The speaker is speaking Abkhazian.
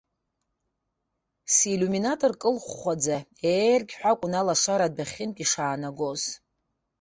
Силиуминатор кылхәхәаӡа еергьҳәа акәын алашара адәахьынтә ишаанагоз.